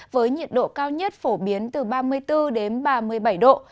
với nhiệt độ cao nhất phổ biến từ ba mươi bốn đến ba mươi bảy độ